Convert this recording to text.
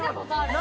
何？